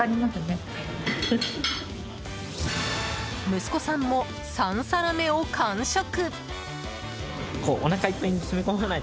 息子さんも３皿目を完食。